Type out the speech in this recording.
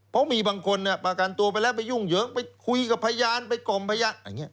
เพราะมีบางคนประกันตัวไปแล้วไปยุ่งเหยิงไปคุยกับพยานไปกล่อมพยานอย่างนี้